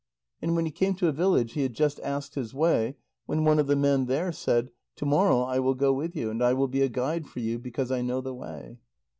And when he came to a village, he had just asked his way, when one of the men there said: "To morrow I will go with you, and I will be a guide for you, because I know the way."